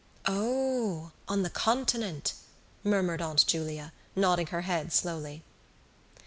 "O, on the continent," murmured Aunt Julia, nodding her head slowly.